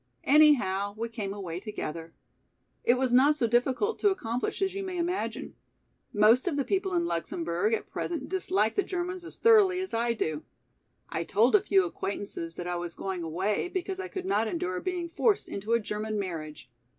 Anyhow we came away together. It was not so difficult to accomplish as you may imagine. Most of the people in Luxemburg at present dislike the Germans as thoroughly as I do. I told a few acquaintances that I was going away because I could not endure being forced into a German marriage.